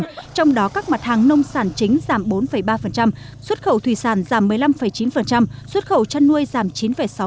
trong đó các mặt hàng nông sản chính giảm bốn ba xuất khẩu thủy sản giảm một mươi năm chín xuất khẩu chăn nuôi giảm chín sáu